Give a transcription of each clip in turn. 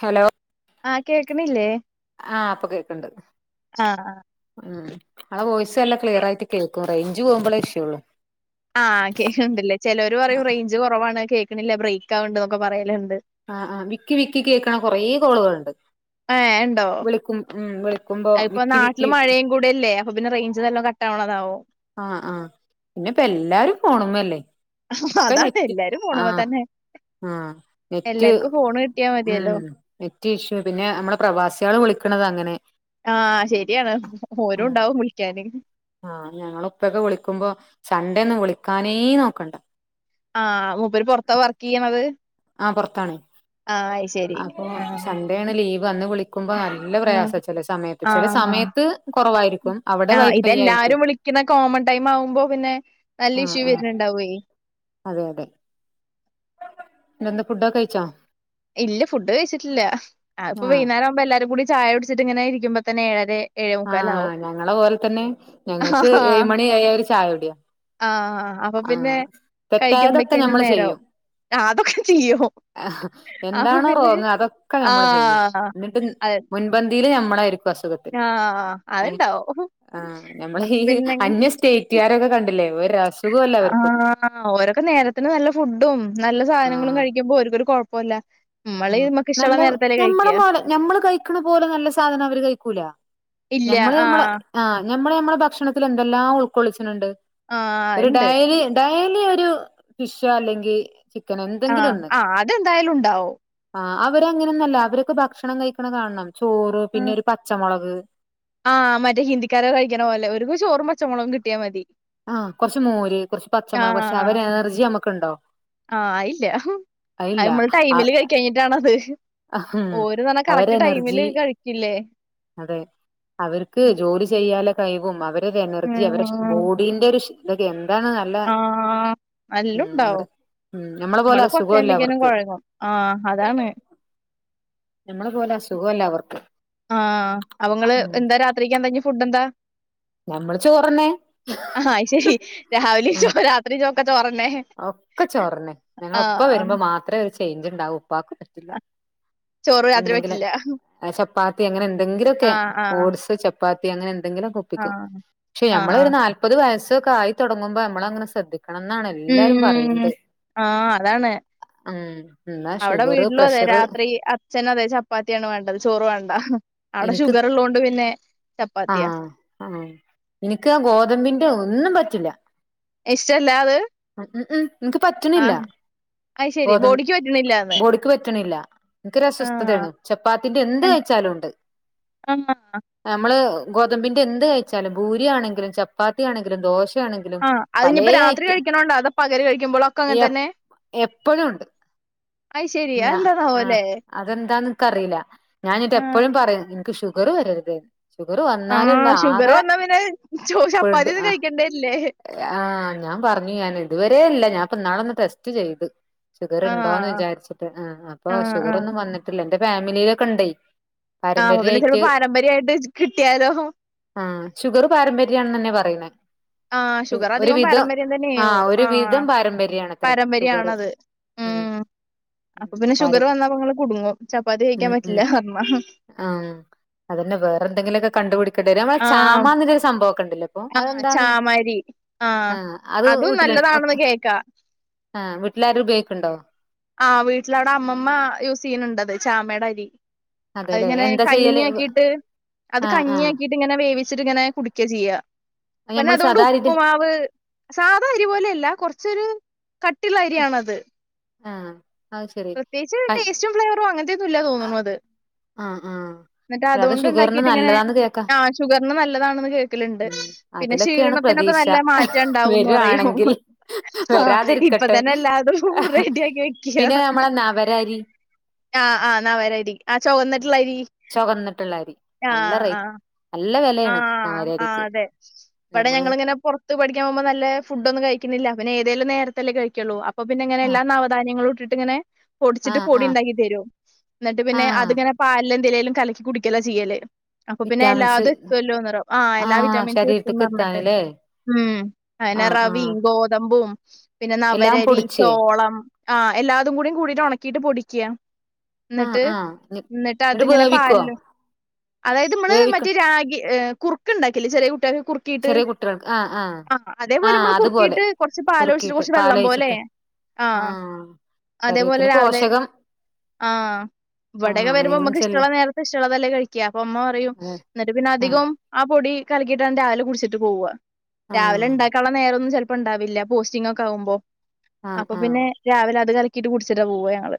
Hello ആഹ് കേക്ക്ണില്ലേ ആ ഇപ്പൊ കേക്ക്ണ്ട് ആഹ് ഇങ്ങള വോയിസ് നല്ല ക്ലിയറായിട്ട് കേക്കും. റെയ്ഞ്ച് പോകുമ്പളേ ഇഷ്യുള്ളു ആഹ് കേക്ക്ണ് ണ്ടില്ലേ ചെലോര് പറയും റേഞ്ച് കൊറവാണ് കേ ക്ക്ണില്ല ബ്രെയ്ക്കാവ്ണ്ട് ന്നൊക്കെ പറയല് ആഹ് ആഹ് വിക്കി വിക്കി കേക്ക്ണ കൊറേ കോള് കള്ണ്ട് ഏഹ് ഇണ്ടോ വിളിക്കുമ്പോ അവ്പ്പൊ വിക്കി നാട്ടില് വിക്കി മഴേം കുടെല്ലേ അപ്പ പിന്നെ റെയ്ഞ്ച് നല്ലോം കട്ടാവ്ണതാവും ആഹ് ആഹ് പിന്നെപ്പെല്ലാരും ഫോണ് മ്മല്ലേ ഒക്കെ അതാണ് നെറ്റ് എല്ലാരും ഫോണ്മ്മെ ആഹ്. തന്നെ ആഹ് നെറ്റ് എല്ലാർക്കും ഫോണ് കിട്ടിയാ ഉം മതിയല്ലോ നെറ്റ് ഇഷ്യു പിന്നെ ഞമ്മളെ പ്രവാസ്യേള് വിളിക്കണതങ്ങനെ ആഹ് ശരിയാണ് ഓരുണ്ടാവും വിള്ക്കാന് ആഹ് ഞങ്ങളുപ്പൊക്കെ വിളിക്കുമ്പോ സൻണ്ടെന്നും വിളിക്കാനേ നോക്കണ്ട ആഹ് മൂപ്പര് പൊറത്താ വർക്കെയ്യ്ണത് ആഹ് പൊറത്താണെ ആഹ് അത് ശരി അപ്പോ സൺണ്ടേണ് ലീവ് വന്ന് വുളി ആ ആ സമയത്ത് കുറവായിരിക്കും അവിടെ ആഹ് വൈഫൈ ആയിരിക്കും ഇതെല്ലാരും വിളിക്കുന്ന കോമൺ ടൈം ആവുമ്പോ പിന്നെ നല്ല ആഹ് ഇഷ്യൂ ആഹ് വരുന്നുണ്ടാവേ അതെ അതെ ഇന്നെന്താ ഫുഡൊക്കെ കഴിച്ചോ ഇല്ല ഫുഡ് കഴിച്ചിട്ടില്ല അതിപ്പോ ആഹ് വൈകേരം ആവുമ്പോ എല്ലാരും കൂടി ചായ കുടിച്ചിട്ട് ഇങ്ങനെ ഇരിക്കുമ്പോ തന്നെ ഏഴരെ ആഹ് ഞങ്ങളെ പോലെ തന്നെ ഞങ്ങൾക്ക് ഏഴ് ആഹ് മണി ആയാ ഒരു ചായ കുടിയ ആഹ് അപ്പൊ പിന്നെ ആഹ് തെറ്റായതൊക്കെ കഴിക്കുമ്പഴേക്കിനും ഞമ്മൾ നേരാവും. ചെയ്യും ആഹ് അതൊക്കെ ചെയ്യും. അപ്പൊ എന്താണോ പിന്നെ റോങ് അതൊക്കെ നമ്മൾ ചെയ്യും ആഹ് എന്നിട്ട് അതെ മുൻപന്തിൽ നമ്മ ണ്ടായിരി ക്കുഅസുഖത്തിന് ആഹ് അത്ണ്ടാവും. ആ നമ്മള് അപ്പൊ ഈ അന്യ സ്റ്റേറ്റുകാരൊക്കെ കണ്ടില്ലേ ഒരു അസുഖോല്ല ആ അവർക്കൊന്നും ഓരോക്കെ നേരത്തിന് നല്ല ഫുഡും നല്ല സാധനങ്ങളും ആഹ് കഴിക്കുമ്പോ ഒരേക്കൊരു കു പ്പല്ല ഉം നല്ല നമ്മള മ ഞമ്മള് കഴിക്കണ പോലെ നല്ല സാധനം അവര് കഴിക്കൂല ഇല്ല ഞമ്മള് ആ ഞമ്മളെ ആഹ് ഞമ്മള് നമ്മെ ഭക്ഷണത്തിൽ എന്തെല്ലാം ഉൾക്കൊള്ളിച്ചിട്ടുണ്ട് ആ ഉണ്ട് ഡലി ഒരു ഫിഷ അല്ലെങ്കിൽ ആ ആ അതെന്തായാലും ഉണ്ടാവും ആ അവരങ്ങനൊന്നല്ല അവരൊക്കെ ഭക്ഷണം കഴിക്കണ കാണണം ചോറ് ആഹ് പിന്നെ ഒരു പച്ചമുളക് ആഹ് മറ്റേ ഹിന്ദിക്കാര കഴിക്കണ പോലെ ഒരു ചോറ് മച്ചമുളകും കിട്ടിയാൽ മതി ആ കൊറച്ച് മോര് കൊറച്ച് പച്ചമുളക് കുറക്ഷെ ആഹ്. അവര് എനർജി നമ്മുക്ക്ണ്ടോ ആഹ് ആയില്ല. ആയില്ല ഒരേന്നെ പറഞ്ഞ കറക്റ്റ് ടൈമില് കഴിക്കില്ലേ അതെ അവർക്ക് ജോലി ചെയ്യാലൊ കൈവും അവ ഒരു എനർജി അവരെ ബോഡീന്റെ ഒരു [unintelligible] ആ നല്ലാം ഉം അവര് ഉണ്ടാവും ഉം നമ്മളെ പോലെ നമ്മള് അസുഖല്ല കൊറച്ചചെയിപ്പിക്കും അവർക്ക് കുഴങ്ങും ആ അതാണ് നമ്മളെ പോലെ അസുഖല്ല അവർക്ക് ആ അവങ്ങള് ഉം എന്താ രാത്രിക്ക് എന്ത ഇനി ഫുഡ് എന്താ ഞമ്മള് ചോറന്നെ ആ ആഹ് ശരി രാവിലെ ചോ ഉം രാത്രി ചോ ഒക്കെ ചോർ തന്നെ ഞങ്ങൾ ഉപ്പ ആഹ് ആഹ്. വരുമ്പോ മാത്രമേ ചേഞ്ച് ഉണ്ടാവും ഉപ്പാക്ക്പറ്റില്ല ചോറ് രാത്രി പറ്റില്ല പാത്തി എങ്ങ ഏതെങ്കിലും ഒകൊ ആഹ് ആഹ്. ഓട്സ് ചപ്പാ- ചപപ്പത്തി അങ്ങനെ എ- എന്തങ്കിലും ഓകെ ഒപ്പിക്കും ആഹ് പക്ഷെ നമ്മള ആഹ്. ഒരു നാല്‌പത്‌വയ സ്സ് ഇത് ഒക്കെആയി തുടങ്ങ് മ്പോൾനമ്മളങ്ങനെ ശ്രദ്ധിക്കും ദ്ധികണം എന്നാണ് എല്ലാരും ഉം. പറയ്ണത് ആഹ് അതാണ്. ഉം എന്നാ ഷുഗർ പ്രഷർ അച്ഛന്അതെ ചപ്പാത്തിയാണ് വേണ്ടത് ചോറ് വാണ്ട അവിടെ എനിക്ക് ഷുഗർ ഉള്ളൊണ്ട് പിന്നെ ചപ്പാത്തിയാ ആഹ് ആഹ് ഇല്ല ഇഷ്ടല്ലാ അത് എനിക്ക് ആ പറ്റണില്ല അ ശരി ഗോതമ്പ് ബോഡിക്ക് പറ്റണില്ലന്ന് ബോഡിക്ക് പറ്റണില്ല എനിക്കൊരു അസ്വസ്ഥതയാണ് ചപ്പാത്തിന്റഎന്ത് കഴിച്ചാലും ഉണ്ട് ആഹ് നമ്മള് ഗോതമ്പിന്റെ എന്ത് കഴിച്ചാലും പൂരിയാണെങ്കിലും ചപ്പാത്തിയാണെങ്കിലും ദോശ- ആ അയ്‌ഞ്ഞിപ്പോ രാത്രി കഴിക്കണണ്ടോ അതോ പകല് കഴിക്കുമ്പോളൊക്കെ അങ്ങനെ തന്നെ എപ്പോഴും ഉണ്ട് അ ശരി അഎന്താണാവോല്ലേ ഇക്ക്റിയില്ല ഞാനിട്ട് എപ്പോഴും പറയും എനിക്ക് ഷുഗർ വരരുതൊ ഷുഗർ വന്നാലു ഉള്ള ആഹ് ഷുഗർ ആകെ വന്നാ പിന്നെ ചോ പെടും ചപ്പാത്തിയൊന്നും ആ കഴിക്കണ്ടേ ഇല്ലേ ആ ഞാൻ പറഞ്ഞു ഞാൻ ഇതുവരെ ഇല്ല ഞാൻ ഇപ്പ ഇന്നാൾ ഒന്ന്ടെസ്റ്റ് ചെയ്ത് ഷുഗർണ്ടോ എന്ന് ആഹ് വിചാരിച്ചു ആ അപ്പൊ ആഹ് ഷുഗറ ആഹ് ഒന്നും വന്നിട്ടില്ല എന്റെ ഫാമിലിയിലൊക്കെ ഉണ്ട് ആ പിന്നെ ചെലപ്പോ പാരമ്പര്യയിട്ട് കിട്ടിയാലോ ആ ഷുഗർ പാരമ്പര്യഅണ്ന്നന്നെ പറയുന്ന ആഹ് ഷുഗ ഷുഗർ ഒരു അധികം വിധം പാരമ്പര്യം ആ തന്നെയാവും ഒരു ആഹ് വിധം പാരമ്പര്യമാണ് അത്ര ഷുഗർ പാരമ്പര്യാണത് ഉം അപ്പൊ പിന്നെ ഷുഗർ പാരം വന്നാപ്പ നിങ്ങൾ കുടുങ്ങും ചപ്പാത്തി കഴിക്കാൻ ഉം ഉം പറ്റില്ല പറഞ്ഞ ആ നമ്മെ ആഹ് ചാമരു സംഭവൊക്കെ ഉണ്ടല്ലോ ഇപ്പൊ ആഹ് അതെന്താ ചാമരി ആഹ് ആ അത് അതും വീട്ടില നല്ലതാണെന്ന് കേക്കാ ആ വീട്ടിലാര ഉപയോഗിക്ക്ണ്ടോ ആ വീട്ടിൽഅവടെ അമ്മമ്മ യൂസ് ചെയ്യുന്നുണ്ടത് ചാമയുടെ അരി അതെല്ലേ അതിങ്ങനെ എന്താ ചെയ്യല് കഞ്ഞിയാക്കിട്ട് അത് ആ ആ കഞ്ഞിയ ആക്കിട്ട് ഇങ്ങനെ വേവിച്ചിട്ട് ഇങ്ങനെ കുടിക്ക ചെയ്യാ പിന്നെ ഞമ്മൾ അതുകൊണ്ട് സാധാരണ ഉപ്പുമാവ് സാധാ അരിപോലല്ല കുറച്ചൊരു കട്ടിള്ള അരിയാണത് ആ അത് ശരി പ്രത്യേകിച്ച് ആ ടേസ്റ്റും ഫ്ലേവറും അങ്ങനത്തെയൊന്നുംല്ല തോന്നുന്നു അത് ആ ആ എന്നിട്ട് അല്ല, അത് അതോണ്ട് ഷുഗറിന് ഇണ്ടാക്കീട്ട് ഇങ്ങനെ നല്ലതാന്ന് കേക്കാ ആഹ് ഷുഗറിന് നല്ലതാണെന്ന് കേൾക്കലുണ്ട് ഉം പിന്നെ അതിലൊക്കെയാണ് ക്ഷീണത്തിനൊക്കെ പ്രതീക്ഷ നല്ല മാറ്റം ഇണ്ടാവുംന്ന് പറയും വരുവാണെങ്കിൽ ആ വരാതിരിക്കട്ടെ ഇപ്പതന്നെ അല്ലാതും ഇടിയകേക്കിയ പിന്നെ നമ്മളെ നവരരി ആ ആ നവരരി ആ ചുവന്നിട്ടുള്ളരി ചൊകന്നിട്ടുള്ള അരി ആ നല്ല റേ ആ നല്ല ആ വെലയാണ് ആ നവരരിക്ക് അതെ ഇവിടെ നമ്മള് ഞങ്ങളിങ്ങനെ പുറത്ത് പഠിക്കാൻ പോകുമ്പോ നല്ല ഫുഡൊന്നും കഴിക്കുന്നില്ല അവന് ഏതേലും നേരത്തല്ലെ കഴിക്കുള്ളൂ അപ്പപ്പിന്നിങ്ങനെ എല്ലാ ആഹ് നവധാന്യങ്ങളും ഇട്ട്- ടിങ്ങനെ പൊടിച്ചിട്ട് ആഹ് പൊടി ആഹ് ഉണ്ടാക്കി തരും എന്നിട്ട് പിന്നെ ആഹ് അത്ങ്ങനെ പാല- ഇലേലും കലക്കി കുടിക്കല ചെയ്യല് അപ്പൊ പിന്നെ വിറ്റാമിൻസ് എല്ലാത് ല്ലോനിറ ആഹ് എല്ലാ വിറ്റാമിൻസ് ശരീരത്ത്ക്ക് എത്തുംന്നറഞ്ഞിട്ട് എത്താന്ല്ലേ ഉം അയ്ന ആഹ് ആഹ് റവിയും ഗോതമ്പും പിന്നെ എല്ലാം നവരരി പൊടിച്ചേ ചോളം ആഹ് എല്ലാതും കൂടി കൂടിയിട്ട് ഒണക്കിട്ട് പൊടിക്ക ആഹ് ന്നിട്ട് ആഹ് എന്നിട്ട് ന്നിട്ട് അതിങ്ങനെ വേവിക്കോ പാലിലോ അതായത് നമ്മള് വേവിക്ക മറ്റേ രാഗി ഏഹ് കുറുക്ക് ണ്ടാക്കില്ലേ ചെറികുട്ടിക- കുറുക്കീട്ട് ചെറിയ കുട്ടികൾക്ക് ആഹ് ആഹ് അതേപോലെ ആഹ് മ്മൾ അതുപോലെ കുറുക്കീട്ട് കൊറച്ച് പാലൊഴിച്ചിട്ട് കുറുക്കിയിട്ട് കൊറച്ച് വെള്ളം പോലെ പാലൊഴിച്ചിട്ട് ആഹ് അതേപോലെ ശരീരത്തിന് രാവിലെ പോഷകം ആഹ് ആഹ് ഇവിടൊക്കെ വരുമ്പോ അങ്ങനെയെങ്കിലും മമക്ക് ഇഷ്ടുള്ള ചെല്ലും നേരത്ത് ഇഷ്ടുള്ളതല്ലേ കഴിക്ക അപ്പ അമ്മ പറയും അതെ ന്നിട്ട് പിന്നെ- ആഹ് അധികം ആ പൊടി കലകീട്ടാന്ന് രാവലെ കുടിച്ചിട്ട് പോവ രാവിലെ ആഹ് ഇണ്ടാക്കാനുള്ള നേരം ഒന്നും ചെല- ചെലപ്പോ ഉണ്ടാവില്ല പോസ്റ്റിങ്ങൊക്കെ ആവുമ്പൊ ആഹ് അപ്പ ആഹ് പിന്നെ രാവിലെ അത് കല കലക്കീട്ട് കുടിച്ചിട്ട പോവ ഞങ്ങള്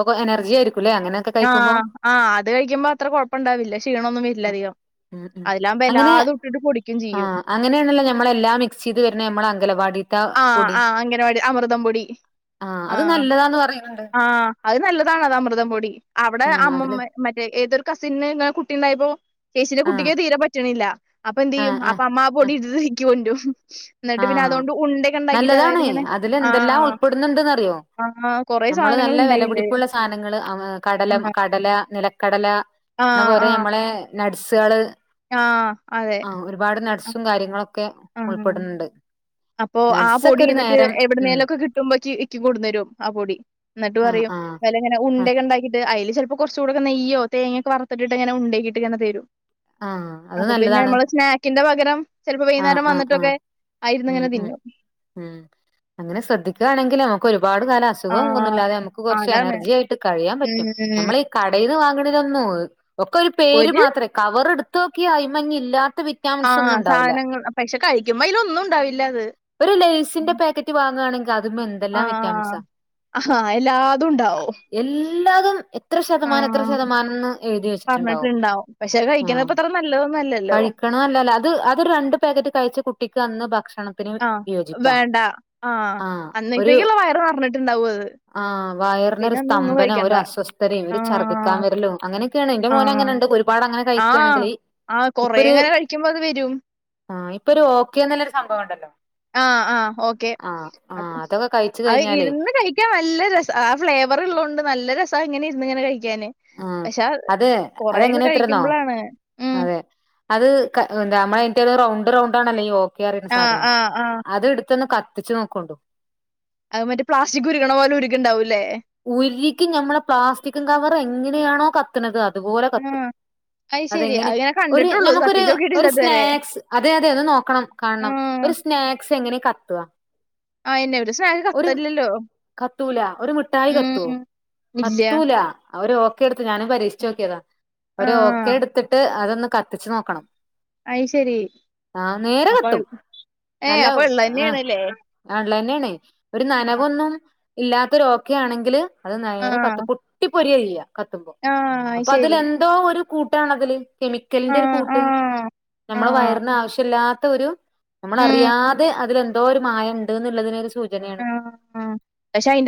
അപ്പൊ എനർജി ആയിരിക്കുംല്ലേ അങ്ങനെയൊക്കെ കഴിക്കുമ്പോ ആഹ് ആഹ് അത് കഴിക്കുമ്പോ അത്ര കൊഴപ്പണ്ടാവില്ല ക്ഷീണൊന്നുവരില്ല ഉം അധികം ഉം അതിലാവുമ്പോ ഉംഅങ്ങനെ എല്ലാതും ഇട്ടിട്ട് പൊടിക്കും ചെയ്യും ആഹ് അങ്ങനെയാണല്ല നമ്മളെല്ലാം മിക്സ് ചെയ്ത് വരുന്ന നമ്മൾ അങ്കലവാടി- ആഹ് ആഹ് അങ്കനവാടി അമൃതംപൊടി അത് ആഹ് നല്ലതാന്ന് പറയുന്നുണ്ട് ആഹ് അത് നല്ല നല്ലതാ അമൃതംപൊടി അവിടെ ആഹ് അതില് അമ്മമ്മ മറ്റേ ഏതൊറു- കസിന്ന്ന കുട്ടിണ്ടായപൊ ചേച്ചിന്റെ ആഹ് കുട്ടിക്ക് തീരെ പറ്റണില്ല അപ്പൊ എന്ത് ചെയ്യും ആഹ് ആഹ് അപ്പൊ അമ്മ് ആഹ് പൊടിയിട്ടിട്ട് ഇക്ക്കൊണ്ടു എന്നിട്ട് പിന്നെ ആഹ് അതോണ്ട് നല്ലതാണ് അതിൽ എന്തെല്ലാം ആഹ് ഉൾപ്പെടുന്നുണ്ടന്ന്റിയോ ആഹ് കൊറേ നമ്മള് സാധനങ്ങൾ നല്ല ഉണ്ടായില്ലേ വിലപടിപ്പുള്ള സാധനങ്ങൾആ കടലം ആഹ് കടല നിലക്കടല എന്ന ആഹ് പോലെ നമ്മളെ നഡ്സ്സുകള് ആ ആ ഒരുപാട് നഡ്സ്സും കാര്യങ്ങളൊക്കെ ആഹ് ഉൾപ്പെടുന്നുണ്ട് അപ്പൊ ആ നട്സൊക്കെ പൊടി ഒരു എന്നിട്ട് നേരം ഉം എവിടുന്നേലും ഒക്കെ കിട്ടുമ്പോച്ചി എന്ക്കും കൊണ്ട് തരും ആ പൊടി എന്നിട്ട് ആഹ് പറയും ആഹ് വലങ്ങനെ ആഹ് ഉണ്ടയൊക്കെ ഉണ്ടാക്കിയിട്ട് അതില് ചിലപ്പോ കുറച്ചുകൂടെക്ക നെയ്യോ തേങ്ങയൊക്കെ വറത്തിട്ട്ങ്ങനെ ഉണ്ടാക്കിട്ടിങ്ങനെ തരും ആഹ് അത് അപ്പൊ പിന്നെ നല്ലതാണ് നമ്മള് സ്നാക്കിന്റെ [unintelligible] ചിലപ്പോ ആഹ് വൈകുന്നേരം ആഹ് ആഹ് വന്നിട്ടൊക്കെ അയിരുന്ന് ഉം ഇങ്ങനെ ഉം തിന്നും. ഉം അങ്ങനെ ശ്രദ്ധിക്കയാണെങ്കിൽ നമുക്ക് ഒരുപാട് കാല അസുഖം ആഹ് ഒന്നില്ലാതെ നമുക്ക് കുറച്ച് അതാണ് എനർജി ആയിട്ട് കഴിയാൻ പറ്റും ഉം നമ്മൾ ഈ കടയിന് വാങ് [unintelligible] ഒക്കെ ഒരു പേര് മാത്രമേ കവർ എടു തോക്കി അയ്മഞ്ഞില്ല ആ സാധനങ്ങൾ അപ് പക്ഷെ കഴിക്കുമ്പോ അയില് ഒന്നും ഉണ്ടാവില്ല അത് ഒരു ലേയ്സിന്റെ പാക്കറ്റ് വാങ്ങുകയാണെങ്കി ആ ആ അയില്ലാ എല്ലാതും എത്ര ശതമാനം എത്ര ആഹ് ശതമാനം എന്ന് എഴുതി വെച്ചിട്ടുണ്ടാവും പറഞ്ഞിട്ടുണ്ടാവും പക്ഷെ ആ കഴിക്കണത് ഇപ്പ അത്ര നല്ലതൊന്നും അല്ലല്ലോ. കഴിക്കണം അല്ലല്ലോ അത് അത് രണ്ടണ്ട് പാക്കറ്റ് കഴിച്ച കുട്ടി- ക്ക് അന്ന് ഭക്ഷണ ണത്തിന് ആഹ് വിയോജിപ്പാ. വേണ്ട ആഹ് ആ ഒരു അന്നത്തേക്കുള്ള വയറ് നിറഞ്ഞിട്ടുണ്ടാവും അത് ആ വയറിന ഒരു പിന്നെ അന്ന് ഒന്നും സ്തംഭനം ഒരു കഴിക്കണ്ട അസ്വസ്ഥതയും ഒരു ആഹ് ഛർദിക്കാവരലും അങ്ങനെയൊക്കെയാണ് എന്റെ മോന് ആഹ് അങ്ങനെണ്ട് ഒരുപാട് അങ്ങനെ കഴിക്കുകയാണെങ്കിൽ കൊറെ അങ്ങനെ കഴിക്കുമ്പോ അത് വരും ആ ഇപ്പൊ ഒരു ഓക്കെ എന്നൊരു സംഭവം ഉണ്ടല്ലോ ആ ആ ഓക്കെ ആഹ് അത് ആഹ് അതൊക്കെ കഴിച്ചു അത് കഴിഞ്ഞാലേ ഇരുന്ന് കഴിക്കാൻ നല്ല രസാ ആ ഫ്ലേവർ ഉള്ളതോണ്ട് നല്ല രസാ ഇങ്ങനെ ങ്ങനെ കഴി ആ അതെ കൊറേയൊക്കെ അതെങ്ങനെത്രന്നോ കഴിക്കുമ്പളാണ് ഉം അതെ അത് ക നമ്മ [unintelligible] റൗണ്ട് റൗണ്ടാണ് അല്ലെങ്കി ഓ ആഹ് ക്കെസാധനം ആഹ് ആഹ് അത് എടുത്തൊന്ന് ക ത്തിച്ചു നോക്കോണ്ടു അത് മറ്റേ പ്ലാസ്റ്റിക്ക് ഉരുകണ പോലെ ഉരുകുണ്ടാവും ഉരികി ഞമ്മള പ്ലാസ്റ്റിക്കും കവറ് എങ്ങനെയാണോ കത്ത്ണത് അത്പോലെ കത്തും ആഹ് അത് ശെരി എങ്ങനെ ഞാൻ ഒരു കണ്ടിട്ടുള്ളൂ നമ്മുക്കൊരു കത്തിച്ച് ഒരു നോക്കിയിട്ടില്ല ഇതുവരെ സ്നക്ക്സ് അതെ അതെ നേക്കണം കാണണം ആഹ് ഒരു സ്നാക്ക്സ് എങ്ങനെയാ കത്ത്ക അയന്നെ ഒരു സ്നാക്ക് ഒരു കത്തല്ലല്ലോ കത്തൂല്ല ഒരു മി ട്ടായി കത്തൊ ഉം ഇല്ല കത്തൂല അവര് ഓക്കെടു ത്ത് ഞാനും പരീക്ഷിച്ചോക്ക്യേത ഒരു ആഹ് ഓക്കെടുത്ത്ട്ട് അതൊന്ന് കത്തിച്ച് നോക്കണം അയ് ശരി ആ നേരെ അപ്പൊ കത്തും ഏ അപ്പൊ ഉള്ളത് തന്നെ ആണല്ലേ ഉള്ളത് തന്നെയാണ് ഒരു നനവൊന്നും ഇല്ലാത്തൊരു ഓ ക്കെ ആണെങ്കില് അത് നേരെ ആഹ് കത്തും പൊട്ടി പൊരിയായി കത്തുമ്പോ ആഹ് അയ് അപ്പൊ അതിൽ ശരി എന്തോ ഒരു കൂട്ടാണതില് കെമിക്കലിന്റെ ഒരു രു ആഹ് കൂട്ട് ആഹ് നമ്മടെ ആഹ് വയറിന് ആവശ്യല്ലാ ത്തൊരു ഉം നമ്മളറിയാതെ അതില് എന്തോ ഒരു മായം ഉണ്ട് എന്നുള്ളതിന് ഒരു സൂചനയാണ്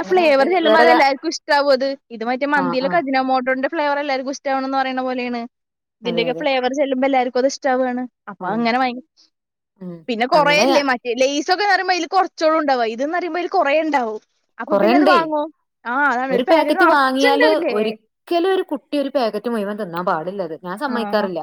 അങ്ങനെയാ ഇത് ചെല്ലുമ്പോ അതെല്ലാർക്കും ഇഷ്ട്ടാവും അത് ഇത് മറ്റേ ആഹ് മന്തിലൊക്കെ ആഹ് അജിന മോട്ടോ ഫ്ലെവറ് എല്ലാർക്കും ഇഷ്ട്ടാവാണന്ന് പറയണ പോലെയാണ് അതെ ഇതിന്റെയൊക്കെ അതെ ഫ്ലേവർ ചെല്ലുമ്പോ എല്ലാരും അത് ഇഷ്ടാവാണ് അപ്പൊ ഉം അങ്ങനെ ഉം പിന്നെ അങ്ങനെ കൊറേയില്ലേ മറ്റേ ലയി സൊക്കെ വരുമ്പോ അതില് കുറച്ച് [unintelligible] ഇതെന്ന് പറയുമ്പോ അതില് കൊറേണ്ടാവും കൊറേണ്ടേ ഒരു പാക്കറ്റ് വാങ്ങിയാല് ഒരിക്കലും ഒരു കുട്ടി ഒരു പാക്കറ്റ് മുഴവൻ തിന്നാൻ പാടില്ലത് ഞാൻ ആഹ് സമ്മതിക്കാറില്ല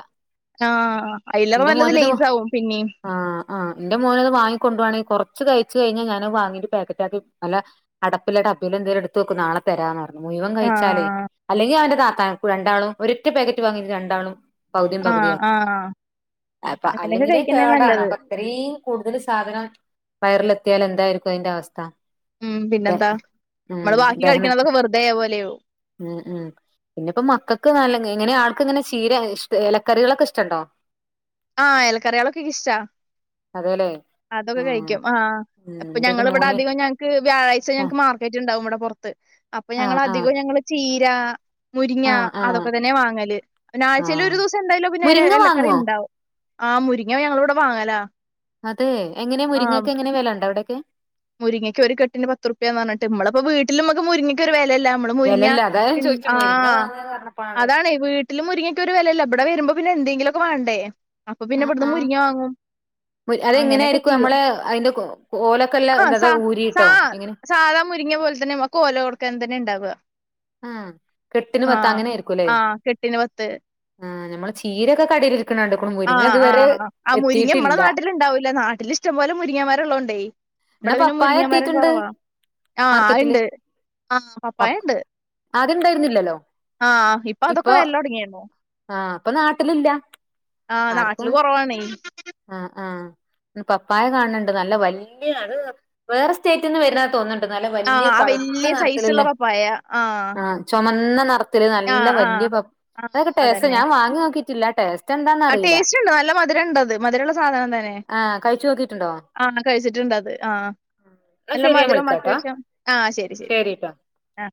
ആഹ് അയിലേറെ എന്റെ നല്ലത് മോനത് ലെയ്സാവും പിന്നിം ആ ആ എന്റെ മോനത് വാങ്ങിക്കൊണ്ടു പോവാണെ കുറച്ച് കഴിച്ചു കഴിഞ്ഞാൽ ഞാനതു വാങ്ങിട്ട് പാക്കറ്റാക്കി നല്ല അടപ്പിലാ ടപ്പേലും എന്തേലും എടുത്ത് വെക്കും നാളെ തരാന്ന് പറഞ്ഞു മുഴുവൻ കയിച്ചാലേ ആഹ് അല്ലെങ്കി അവന്റെ ക രണ്ടാളും ഒരൊറ്റ പാക്കറ്റ് വാങ്ങിട്ട് രണ്ടാളും പകുതിയും ആഹ് പകുതിയാക്കി ആഹ് അപ്പൊ അങ്ങനെയൊക്കെ അല്ലെങ്കില് കഴിക്കുന്നേ കേടാണ് നല്ലത് അപ്പൊ അത്രയും കൂടുതൽ സാധനം വയറിലെ എത്തിയാൽ എന്തായിരിക്കും അതിന്റെ അവസ്ഥ ഉം അതെ പിന്നെന്താ ഉം നമ്മള് ബാക്കി ദഹന കഴിക്കണതൊക്കെ വെറുതെ പോലെയാവും ഉം ഉം പിന്നിപ്പോ മക്കൾക്ക് നല്ല എങ്ങനെ ആൾ ഇങ്ങനെ ചീര ഇ ഇലക്കറികളൊക്കെ ഇഷ്ട്ടണ്ടോ ആ ഇലക്കറികളൊക്കെ ഇഷ്ടാ അതേല്ലേ അതൊക്കെ ഉം കഴിക്കും ആ ഉം ഇപ്പൊ എന്റെ ഒരു ഞങ്ങളിവിടെ മോന് അധികം ഞങ്ങക്ക് വ്യാഴാഴ് ശനിയാഴ്ച ആഹ് ഞങ്ങക്ക് മാർക്കറ്റ് ഉണ്ടാ നമ്മടെ പുറത്ത് അപ്പൊ ആഹ് ആഹ് ഞങ്ങളധികം ഞങ്ങള് ചീ [unintelligible] മുരിങ്ങ ആഹ് ആഹ് അതൊക്കെ തന്നെ വാങ്ങല് പിന്ന ആഴ്ചയിൽ ആഹ് ഒരു ദിവസം എന്തായാലും പി ന്നെ എ മുരിങ്ങ എലക്കറി വാങ്ങുവോ ണ്ടാവും ആഹ് മുരിങ്ങ ഞങ്ങളിവിടെ വാങ്ങല അതെ എങ്ങനെ മുരിങ്ങക്കെങ്ങനെ വിലണ്ടാവിടെ [unintelligible] മുരിങ്ങയ്ക്ക് ഒരു കെട്ടിന് പത്ത്റുപയന്ന് പറഞ്ഞിട്ട് മ്മള് ഇപ്പ വീട്ടിലമ്മക്ക് മുങ്ങക്ക് ഒരു വി ലല്ല മ്മള് മുരിങ്ങ വിലല്ല അതാ ഞാൻ ചോദിച്ചെ ആ മുരിങ്ങ വാങ്ങാന്ന് പറഞ്ഞപ്പോഴാണ് അതാണ് വീട്ടിൽ മുരിങ്ങക്കോരു വിലെല്ല ഇവിടെ വരുമ്പോ പിന്നെ എന്തെങ്കിലോക്കെ വേണ്ടേ അപ്പൊ പിന്നെ ഇവിടുന്ന് മുരിങ്ങ വാങ്ങും മു അത് എങ്ങനെയായിരിക്കും നമ്മളെ അതിന്റെ ഓല ആഹ് സാ സാ സാധാ മുരിങ്ങിയ പോലെ തന്നെമ്മകോല കൊടുക്കാൻ തന്നെ ഉണ്ട് ണ്ടാവുക ആഹ് കെട്ടിന് പത്ത് അങ്ങനെ ആയിരിക്കുംല്ലേ ആ കെട്ടിന് പത്ത് ആഹ് നമ്മള് ചീരൊക്കെ കടേല് ഇരിക്കണ കണ്ട്ക്ക്ണു മുരിങ്ങ ആഹ് ഇതുവരെ ആഹ് ആ മുരിങ്ങ നമ്മളെ എത്തിയിട്ടില്ല നാട്ടിലുണ്ടാവൂല നാട്ടിലിഷ്ടംപോലെ മുരിങ്ങമരള്ളോണ്ടേ എന്നാ ഇവിടെ പിന്നെ പപ്പായ മുരിങ്ങ മരം എത്തിയിട്ടുണ്ട് കുറവാ ആഹ് മാർക്കറ്റില് ഉണ്ട് ആഹ് പപ്പായ പപ് ഉണ്ട് ആദ്യം ഇണ്ടായിരുന്നില്ലല്ലോ ആഹ് ഇപ്പൊ അതൊക്കെ വല്ല തുടങ്ങിയി രുന്നു ആഹ് അപ്പൊ നാട്ടിലില്ല ആഹ് നാട്ടില് ആർക്കും കുറവാണേ ആഹ് ആഹ് പപ്പായ കാണണണ്ട് നല്ല വലിയ അത് വേറെ സ്റ്റേറ്റിന്ന് വരന്നാന്ന് തോന്നുന്നു നല്ല ആ വലിയ ആ പഴുത്ത വല്യ നിറത്തിലുള്ള സൈസുള്ള പപ്പായ ആ ആഹ് ചുമന്ന നി ത്തി ആ നല്ല ആ വലിയ പ ആ അതൊക്കെ ടേസ്റ്റ് അതന്നെ ഞാൻ വാങ്ങി നോക്കിട്ടില്ല ടേസ്റ്റ് എന്താന്നറിയില്ല മധുരമുള്ള സാധനം തന്നെ ആഹ് കഴിച്ചു നോക്കിയിട്ടുണ്ടോ ആഹ് കഴിച്ചിട്ടുണ്ട് അത് ആഹ് എന്നാ നല്ല ശരി ഞാൻ മധുരവും വിളിക്കാട്ടോ അത്യാവശ്യം ആഹ് ശരി ശരി ശരിട്ടോ ആഹ്